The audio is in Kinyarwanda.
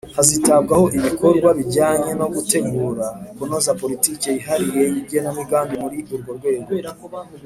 hazitabwaho ibikorwa bijyanye no gutegura/ kunoza politiki yihariye n'igenamigambi muri urwo rwego.